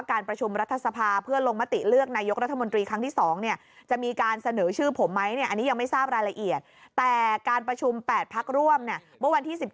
ก็เลยไม่ถือเป็นยติซ้ำตับข้อบังคับการประชุมที่๔๑